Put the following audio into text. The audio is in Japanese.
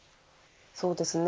そうですね